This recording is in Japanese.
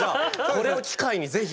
これを機会に是非。